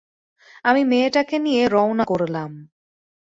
আমি মেয়েটাকে নিয়ে রওনা করলাম।